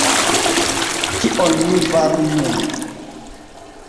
Kion mi faru nun?